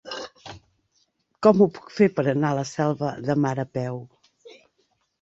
Com ho puc fer per anar a la Selva de Mar a peu?